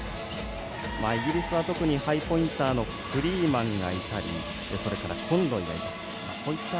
イギリスは特にハイポインターのフリーマンがいたりコンロイがいたり。